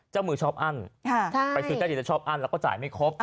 เจ้ามือชอบอั้นไปซื้อใต้ดินแล้วชอบอั้นแล้วก็จ่ายไม่ครบ